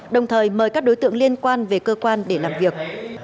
đồng thời mời các đối tượng liên quan về cơ quan để làm việc